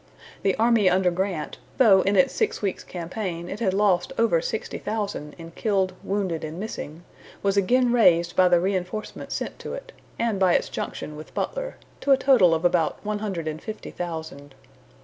The army under Grant, though in its six weeks' campaign it had lost over sixty thousand in killed, wounded, and missing, was again raised by the reinforcements sent to it, and by its junction with Butler, to a total of about one hundred and fifty thousand.